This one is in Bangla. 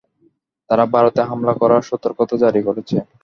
তারা ভারতে হামলা করার সর্তকতা জারি করেছে।